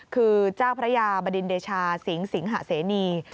คือเจ้าพระยาบดินเดชาสิงสิงหะเสนี